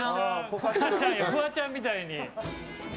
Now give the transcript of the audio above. フワちゃんみたいに。